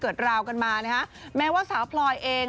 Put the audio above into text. เกิดเรื่องเกิดราวกันมานะคะแม้ว่าสาวพลอยเอง